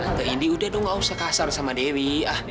nede udah dong gak usah kasar sama dewi